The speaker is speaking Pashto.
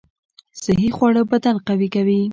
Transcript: صحي خواړه بدن قوي کوي